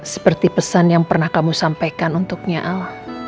seperti pesan yang pernah kamu sampaikan untuknya al